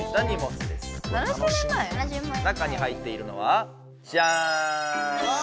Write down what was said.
中に入っているのはジャン！